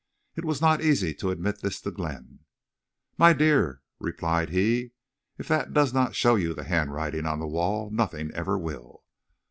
It was not easy to admit this to Glenn. "My dear," replied he, "if that does not show you the handwriting on the wall, nothing ever will."